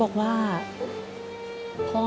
ผมคิดว่าสงสารแกครับ